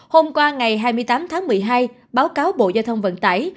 hôm qua ngày hai mươi tám tháng một mươi hai báo cáo bộ giao thông vận tải